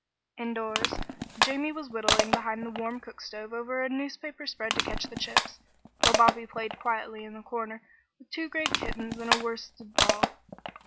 Indoors, Jamie was whittling behind the warm cookstove over a newspaper spread to catch the chips, while Bobby played quietly in a corner with two gray kittens and a worsted ball.